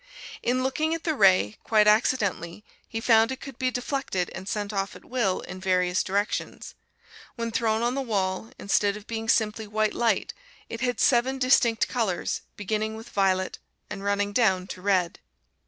In looking at the ray, quite accidentally, he found it could be deflected and sent off at will in various directions. When thrown on the wall, instead of being simply white light it had seven distinct colors beginning with violet and running down to red.